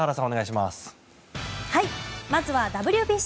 まずはＷＢＣ。